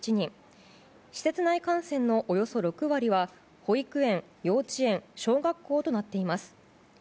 施設内感染のおよそ６割は保育園、幼稚園、小学校となっています。